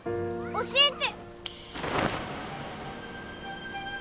教えて。